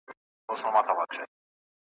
زما د سر امان دي وي لویه واکمنه `